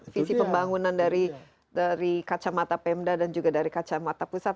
visi pembangunan dari kacamata pemda dan juga dari kacamata pusat